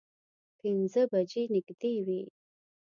پینځه بجې نږدې وې.